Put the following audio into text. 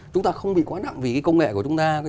chúng ta không bị quá nặng vì công nghệ của chúng ta